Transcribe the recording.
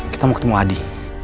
kita mau ketemu adi